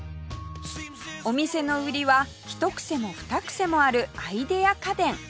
お店の売りは一癖も二癖もあるアイデア家電